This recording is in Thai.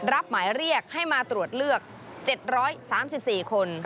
รับหมายเรียกให้มาตรวจเลือก๗๓๔คน